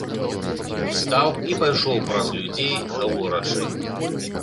Устаў і пайшоў праз людзей, гаворачы.